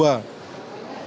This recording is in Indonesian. dari almarhum joshua